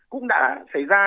cũng đã xảy ra